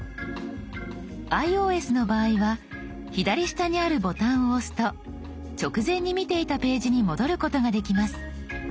ｉＯＳの場合は左下にあるボタンを押すと直前に見ていたページに戻ることができます。